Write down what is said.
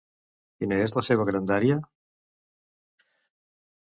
Quina és la seva grandària?